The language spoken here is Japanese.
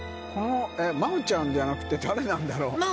真央ちゃんじゃなくて誰なんだろう？